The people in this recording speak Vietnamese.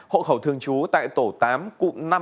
hộ khẩu thường trú tại tổ tám cụ năm